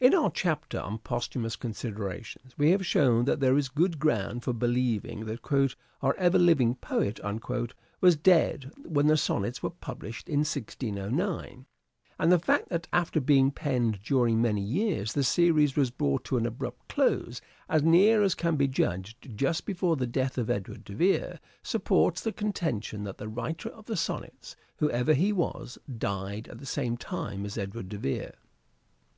In our chapter on Posthumous Considerations we have shown that there is good ground for believing that " our ever living poet " was dead when the Sonnets were published in 1609 ; and the fact that, after being penned during many years, the series was brought to an abrupt close, as near as can be judged just before the death of Edward de Vere, supports the contention that the writer of the Sonnets, who ever he was, died at the same time as Edward de Vere.